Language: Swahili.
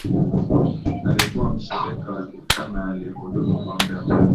alikuwa mshirika wa kifalme aliyehudumu kwa muda mrefu